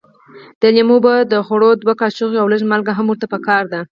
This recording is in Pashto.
د لیمو اوبه د خوړو دوه کاشوغې او لږ مالګه هم ورته پکار ده.